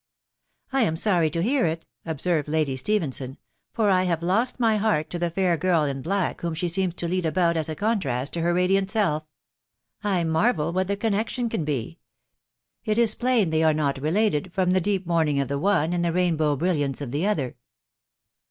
u I am sorry to hear it," observed Lady Stephenson, for I have lost my heart to the fair girl in black whom she seems to lead about as a contrast to her radiant self. ... I marvel what the connection can be. .•. It is plain they are not related, from the deep mourning of the one and the rainbow brilliance tf the other."